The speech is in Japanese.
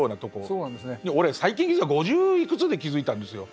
俺最近気付いた５０いくつで気付いたんですよ。